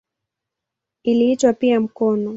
Iliitwa pia "mkono".